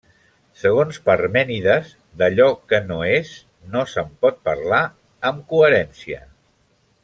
Segons Parmènides, d'allò que no és, no se'n pot parlar amb coherència.